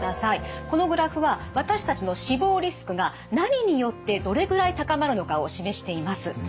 このグラフは私たちの死亡リスクが何によってどれぐらい高まるのかを示しています。